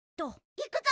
いくぞ！